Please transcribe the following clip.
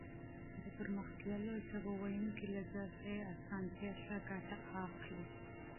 د پرمختللو ژبو ويونکي له دغې اسانتيا ښه ګټه اخلي.